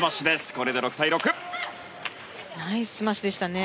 これで６対６！ナイススマッシュでしたね。